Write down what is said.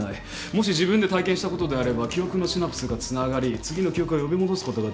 もし自分で体験したことであれば記憶のシナプスがつながり次の記憶を呼び戻すことができる。